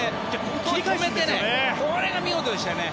１回止めてここが見事でしたね。